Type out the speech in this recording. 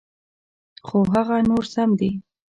خو هغه نور سم دي.